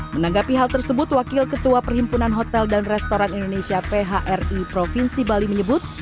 menanggapi hal tersebut wakil ketua perhimpunan hotel dan restoran indonesia phri provinsi bali menyebut